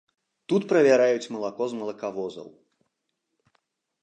Тут правяраюць малако з малакавозаў.